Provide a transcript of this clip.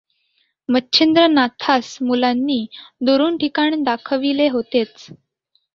मच्छिंद्रनाथास मुलांनी दुरून ठिकाण दाखविले होतेच.